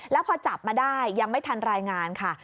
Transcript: แล้วพอจับมาได้ยังไม่ทันรายงานค่ะ